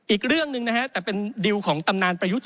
อีกเรื่องหนึ่งนะฮะแต่เป็นดิวของตำนานประยุทธ์